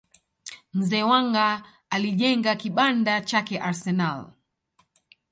mzee Wenger alijenga kibanda chake arsenal